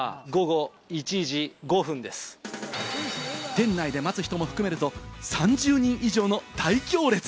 店内で待つ人も含めると３０人以上の大行列。